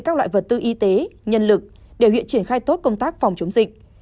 các loại vật tư y tế nhân lực để huyện triển khai tốt công tác phòng chống dịch